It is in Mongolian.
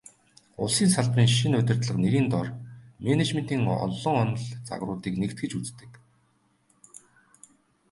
Улсын салбарын шинэ удирдлага нэрийн доор менежментийн олон онол, загваруудыг нэгтгэж үздэг.